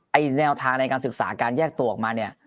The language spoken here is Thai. แนวทางในการศึกษาการแยกตัวออกมาเนี่ย